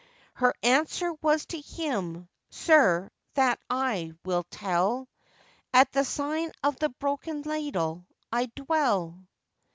Her answer was to him, 'Sir, that I will tell,— At the sign of the broken ladle I dwell.